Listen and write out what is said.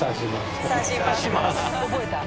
「刺します」